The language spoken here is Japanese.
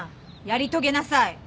やり遂げなさい。